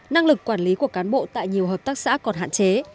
năng lực quản lý của cán bộ tại nhiều hợp tác xã còn hạn chế